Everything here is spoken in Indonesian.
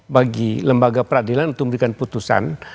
bagi lembaga peradilan untuk memberikan putusan